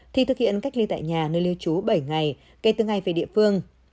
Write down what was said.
thì thực hiện cách ly tại nhà nơi lưu trú bảy ngày kể từ ngày về địa phương